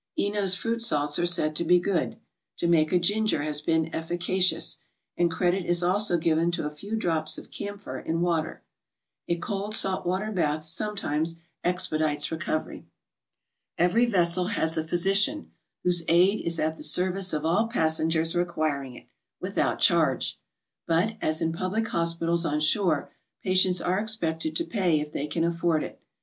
Eno's fruit salts are said to be good. Jamaica ginger has been efficacious, and credit is also given to a few drops of camphor in water. A cold salt water bath sometimes expedites recovery. Every vessel has a physician, whose aid is at the service of all passengers requiring it, without charge. But, as in public hospitals on shore, patients are expected to pay if they can afford it.